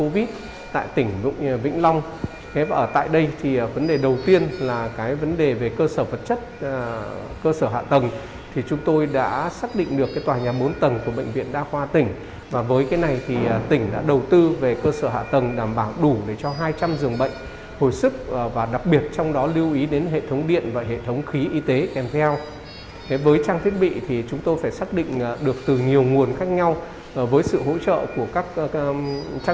với trang thiết bị chúng tôi phải xác định được từ nhiều nguồn khác nhau với sự hỗ trợ của các trang